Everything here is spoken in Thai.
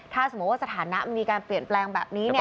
ถ้าสมมุติว่าสถานะมันมีการเปลี่ยนแปลงแบบนี้